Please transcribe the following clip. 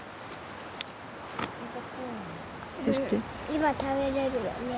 今食べれるよね。